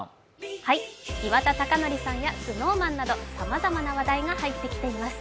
岩田剛典さんやＳｎｏｗＭａｎなどさまざまな話題が入ってきています。